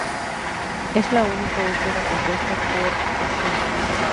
Es la única ópera compuesta por Schumann.